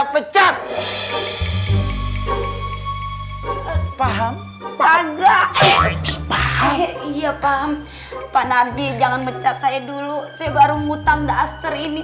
pecat paham paham ya paham pak narji jangan mecat saya dulu saya baru mutang dastri ini